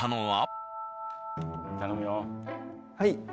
はい。